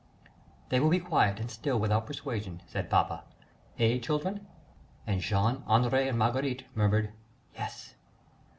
"They will be quiet and still without persuasion," said papa; "eh, children?" And Jean, André, and Marguerite murmured: "Yes!"